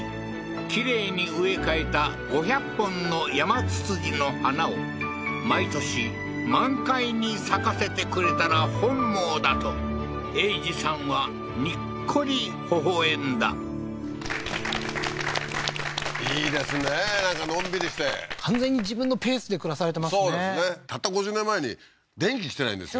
きれいに植え替えた５００本のヤマツツジの花を毎年満開に咲かせてくれたら本望だと栄治さんはにっこりほほ笑んだいいですねなんかのんびりして完全に自分のペースで暮らされてますねそうですねたった５０年前に電気来てないんですよ